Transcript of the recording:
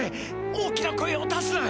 大きな声を出すな。